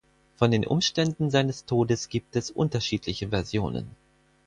Von den Umständen seines Todes gibt es unterschiedliche Versionen.